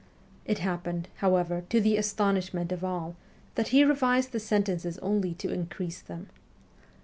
It happened, however, to the astonishment of all, that he revised the sentences only to increase them.